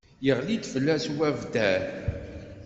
Iɣli-d fell-as ubabder.